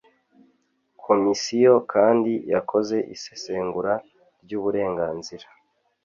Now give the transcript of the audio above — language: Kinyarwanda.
Komisiyo kandi yakoze isesengura ry ‘ uburenganzira